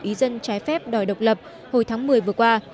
ý dân trái phép đòi độc lập hồi tháng một mươi vừa qua